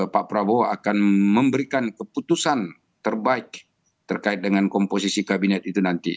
pak prabowo akan memberikan keputusan terbaik terkait dengan komposisi kabinet itu nanti